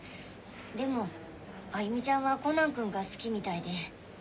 でも歩美ちゃんはコナンくんが好きみたいで。